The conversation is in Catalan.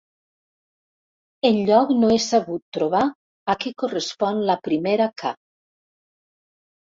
Enlloc no he sabut trobar a què correspon la primera ca.